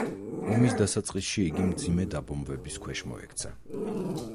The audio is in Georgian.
ომის დასაწყისში იგი მძიმე დაბომბვების ქვეშ მოექცა.